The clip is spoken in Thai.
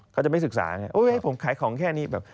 เขาจะไม่ศึกษาผมขายของแค่นี้